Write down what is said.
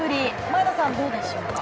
前田さん、どうでしょうか？